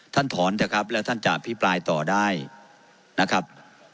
ถอนเถอะครับแล้วท่านจะอภิปรายต่อได้นะครับ